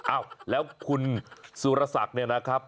อ้าวแล้วคุณสุรศักดิ์เนี่ยนะครับ